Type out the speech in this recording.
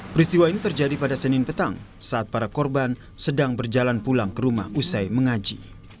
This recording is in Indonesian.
peristiwa ini terjadi pada senin petang saat para korban sedang berjalan pulang ke rumah usai mengaji